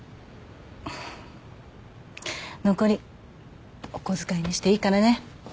残りお小遣いにしていいからね。